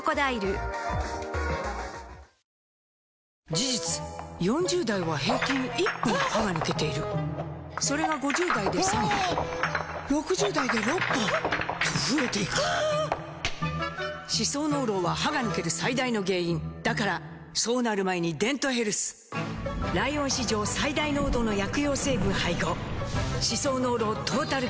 事実４０代は平均１本歯が抜けているそれが５０代で３本６０代で６本と増えていく歯槽膿漏は歯が抜ける最大の原因だからそうなる前に「デントヘルス」ライオン史上最大濃度の薬用成分配合歯槽膿漏トータルケア！